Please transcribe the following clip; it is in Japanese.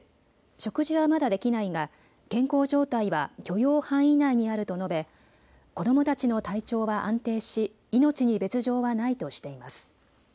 食事はまだできないが健康状態は許容範囲内にあると述べ子どもたちの体調は安定し命に別状はないとしています。